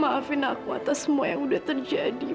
maafin aku atas semua yang udah terjadi